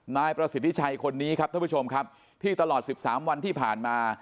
นายประสิทธิชัยคนนี้ครับท่านผู้ชมครับที่ตลอด๑๓วันที่ผ่านมา